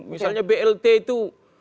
misalnya blt itu